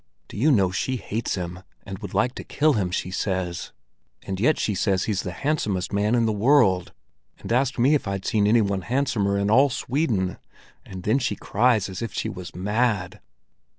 Do you know she hates him, and would like to kill him, she says; and yet she says that he's the handsomest man in the world, and asked me if I've seen any one handsomer in all Sweden. And then she cries as if she was mad."